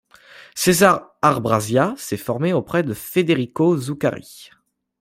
Cesare Arbrasia s'est formé auprès de Federico Zuccari.